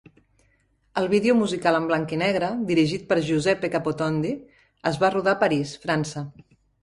El vídeo musical en blanc i negre, dirigit per Giuseppe Capotondi, es va rodar a París, França.